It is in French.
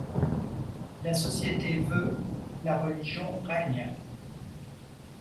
La société veut, la religion règne ;